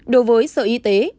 đối với sở y tế